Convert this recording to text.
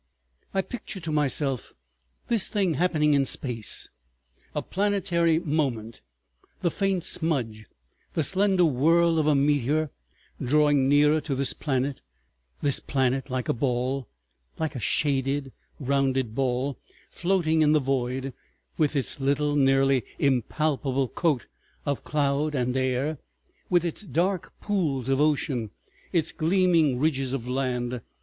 I picture to myself this thing happening in space, a planetary moment, the faint smudge, the slender whirl of meteor, drawing nearer to this planet,—this planet like a ball, like a shaded rounded ball, floating in the void, with its little, nearly impalpable coat of cloud and air, with its dark pools of ocean, its gleaming ridges of land.